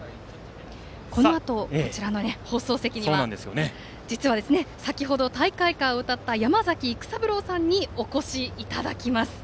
このあとこちらの放送席には実は先程、大会歌を歌った山崎育三郎さんにお越しいただきます。